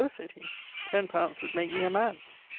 sayd he, 'ten pounds would make me a man.'